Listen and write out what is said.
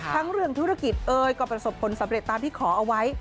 ทั้งเรื่องธุรกิจเอ้ยก็ประสบผลสำเร็จตามที่ขอเอาไว้